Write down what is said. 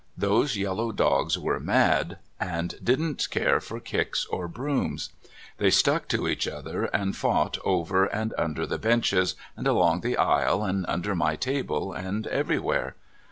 Those yellow dogs were mad, and didn't care for kicks or brooms. They stuck to each other, and fought over and under the benches, and along the aisle, and under my table, and everywhere!